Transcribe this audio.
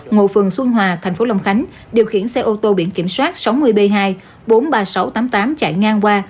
ngồi phường xuân hòa thành phố long khánh điều khiển xe ô tô biển kiểm soát sáu mươi b hai bốn mươi ba nghìn sáu trăm tám mươi tám chạy ngang qua